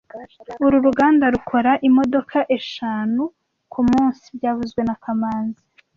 Uru ruganda rukora imodoka eshanu kumunsi byavuzwe na kamanzi